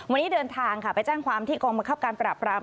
วันนี้เดินทางค่ะไปแจ้งความที่กองบังคับการปราบราม